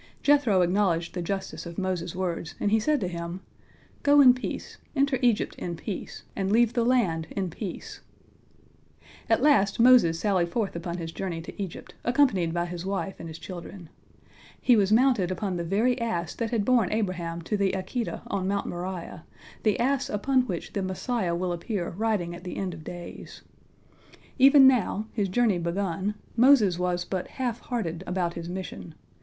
Jethro acknowledged the justice of Moses' words, and he said to him, "Go in peace, enter Egypt in peace, and leave the land in peace." At last Moses sallied forth upon his journey to Egypt, accompanied by his wife and his children. He was mounted upon the very ass that had borne Abraham to the Akedah on Mount Moriah, the ass upon which the Messiah will appear riding at the end of days. Even now, his journey begun, Moses was but half hearted about his mission.